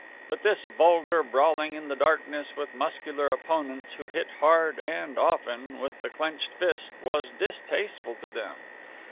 But this vulgar brawling in the darkness with muscular opponents who hit hard and often with the clenched fist was distasteful to them.